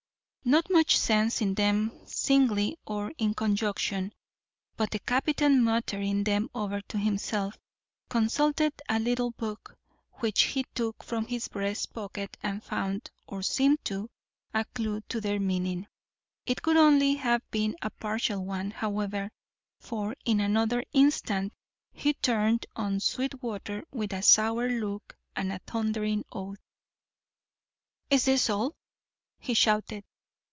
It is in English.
Not much sense in them singly or in conjunction, but the captain, muttering them over to himself, consulted a little book which he took from his breast pocket and found, or seemed to, a clew to their meaning. It could only have been a partial one, however, for in another instant he turned on Sweetwater with a sour look and a thundering oath. "Is this all?" he shouted.